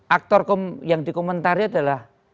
aktor yang dikomentari adalah